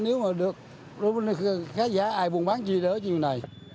nếu mà được khá giả ai buồn bán gì đỡ chuyện này